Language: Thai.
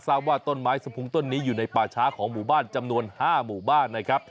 ว่าต้นไม้สะพุงต้นนี้อยู่ในป่าช้าของหมู่บ้านจำนวน๕หมู่บ้านนะครับ